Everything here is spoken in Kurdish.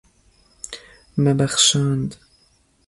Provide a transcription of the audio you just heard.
Me bexşand.